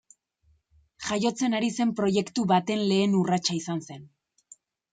Jaiotzen ari zen proiektu baten lehen urratsa izan zen.